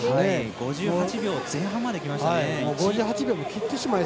５８秒前半まできました。